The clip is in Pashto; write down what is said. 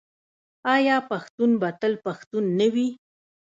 آیا پښتون به تل پښتون نه وي؟